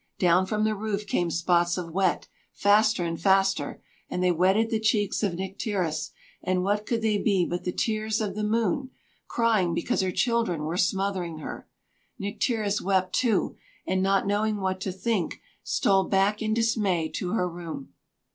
Down from the roof came spots of wet, faster and faster, and they wetted the cheeks of Nycteris; and what could they be but the tears of the moon, crying because her children were smothering her? Nycteris wept too, and not knowing what to think, stole back in dismay to her room.